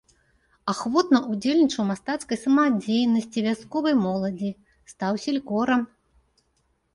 Ахвотна ўдзельнічаў у мастацкай самадзейнасці вясковай моладзі, стаў селькорам.